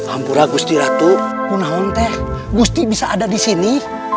ampura gusti ratu una unte gusti bisa ada di sini